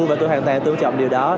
và tôi hoàn toàn tôn trọng điều đó